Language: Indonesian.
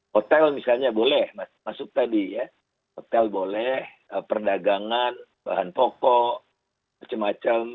hotel misalnya boleh masuk tadi ya hotel boleh perdagangan bahan pokok macam macam